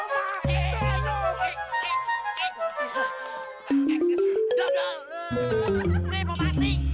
kalian berdua dapat kartu kuning